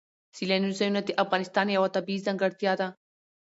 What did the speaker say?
سیلانی ځایونه د افغانستان یوه طبیعي ځانګړتیا ده.